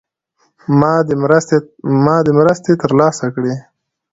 مادي مرستي تر لاسه کړي.